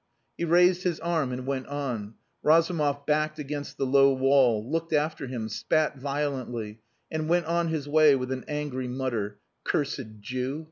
He raised his arm and went on. Razumov backed against the low wall, looked after him, spat violently, and went on his way with an angry mutter "Cursed Jew!"